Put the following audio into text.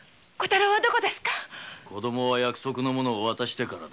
・子供は約束の物を渡してからだ。